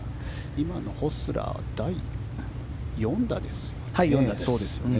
今のホスラー第４打ですよね。